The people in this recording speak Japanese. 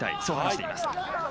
そう話しています。